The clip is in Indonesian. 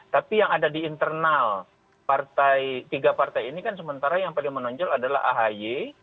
tapi yang ada di internal partai tiga partai ini kan sementara yang paling menonjol adalah ahy